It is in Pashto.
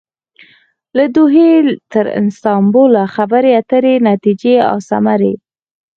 له دوحې تر استانبوله خبرې اترې ،نتیجې او ثمرې